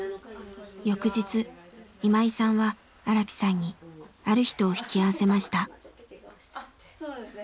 翌日今井さんは荒木さんにある人を引き合わせました。